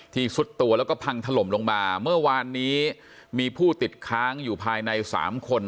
ซุดตัวแล้วก็พังถล่มลงมาเมื่อวานนี้มีผู้ติดค้างอยู่ภายในสามคน